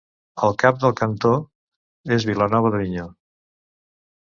El cap del cantó és Vilanova d'Avinyó.